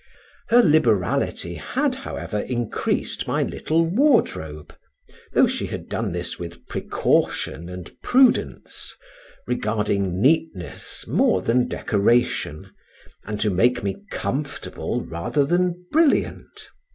Her liberality had, however, increased my little wardrobe, though she had done this with precaution and prudence, regarding neatness more than decoration, and to make me comfortable rather than brilliant.